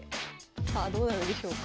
さあどうなるでしょうか。